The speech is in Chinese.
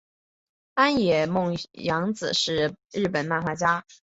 安野梦洋子是日本漫画家。